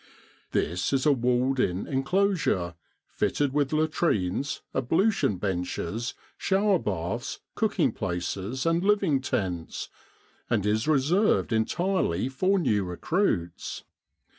This is a walled in enclosure, fitted with latrines, ablution benches, shower baths, cook ing places, and living tents, and is reserved entirely for new recruits.